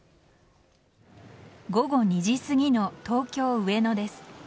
午後２時すぎの東京・上野です。